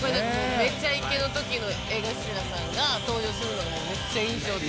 『めちゃイケ』のとき江頭さんが登場するのがめっちゃ印象的で大好きやった。